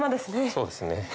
そうですね。